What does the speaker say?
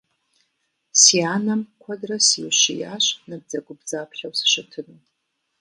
Си анэм куэдрэ сиущиящ набдзэгубдзаплъэу сыщытыну.